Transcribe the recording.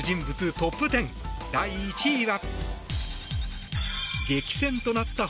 トップ１０第１位は。